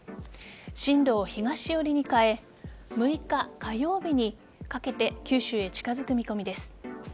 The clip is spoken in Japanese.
進路を東寄りに変え６日、火曜日にかけて九州へ近づく見込みです。